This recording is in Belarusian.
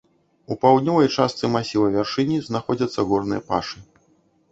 У паўднёвай частцы масіва вяршыні знаходзяцца горныя пашы.